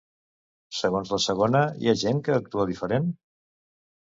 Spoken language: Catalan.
Segons la segona, hi ha gent que actua diferent?